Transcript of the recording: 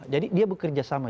jadi dia bekerja sama